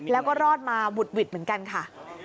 แล้วก็รอดมาหวุดหวิดเหมือนกันค่ะ